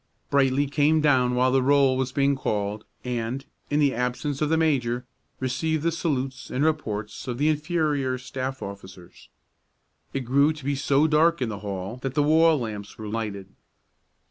Brightly came down while the roll was being called, and, in the absence of the major, received the salutes and reports of the inferior staff officers. It grew to be so dark in the hall that the wall lamps were lighted.